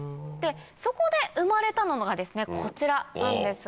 そこで生まれたのがこちらなんですが。